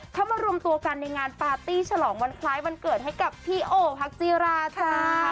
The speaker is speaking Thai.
เข้ามารวมตัวกันในงานปาร์ตี้ฉลองวันคล้ายวันเกิดให้กับพี่โอฮักจีราจ้า